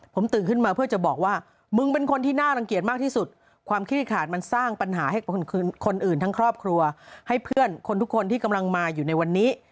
ผมตื่นขึ้นมาเพื่อจะบอกว่ามึงเป็นคนที่น่ารังเกียจมากที่สุดความขี้ขาดมันสร้างปัญหาให้คนอื่นทั้งครอบครัวให้เพื่อนคนทุกคนที่กำลังมาอยู่ในวันนี้